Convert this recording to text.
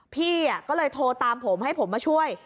พี่ก็เลยโทรตามผมให้ผมมาช่วย